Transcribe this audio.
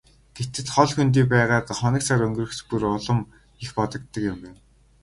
Гэтэл хол хөндий байгаад хоног сар өнгөрөх бүр улам их бодогддог юм байна.